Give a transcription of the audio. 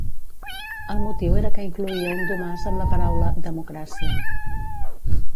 El motiu era que incloïa un domàs amb la paraula ‘democràcia’.